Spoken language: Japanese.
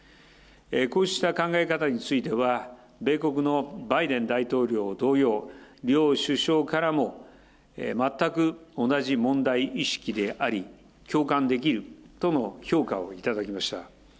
こうした考え方については、米国のバイデン大統領同様、両首相からも、全く同じ問題意識であり、共感できるとの評価を頂きました。